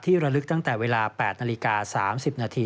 ระลึกตั้งแต่เวลา๘นาฬิกา๓๐นาที